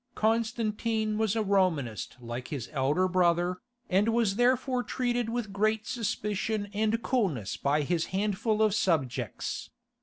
Constantine was a Romanist like his elder brother, and was therefore treated with great suspicion and coolness by his handful of subjects.